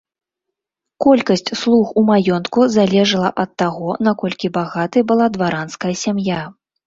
Колькасць слуг у маёнтку залежала ад таго, наколькі багатай была дваранская сям'я.